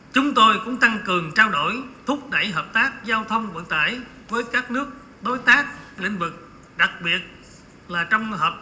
chúng tôi cũng tăng cường trao đổi thúc đẩy hợp tác giao thông vận tải với các nước đối tác lĩnh vực đặc biệt là trong hợp tác